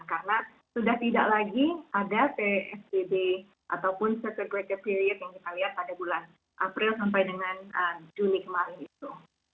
karena sudah tidak lagi ada psbb ataupun circuit breaker period yang kita lihat pada bulan april sampai dengan juni kemarin itu